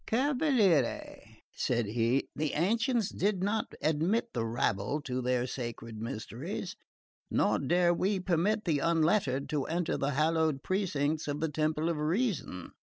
"Cavaliere," said he, "the ancients did not admit the rabble to their sacred mysteries; nor dare we permit the unlettered to enter the hollowed precincts of the temple of Reason."